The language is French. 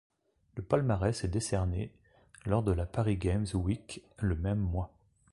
Le palmarès est décerné lors de la Paris Games Week le même mois.